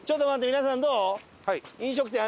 皆さんどう？